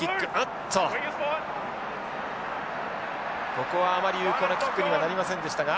ここはあまり有効なキックにはなりませんでしたが。